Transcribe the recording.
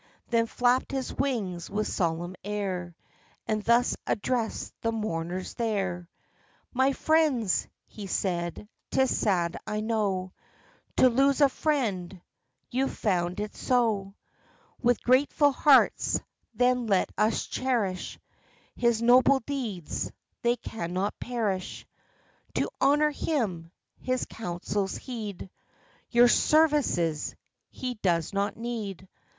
95 Then flapped his wings with solemn air, And thus addressed the mourners there: "My friends," he said, "'tis sad, I know, To lose a friend! You've found it so. With grateful hearts, then, let us cherish His noble deeds; they cannot perish. To honor him, his counsels heed; Your services he does not need.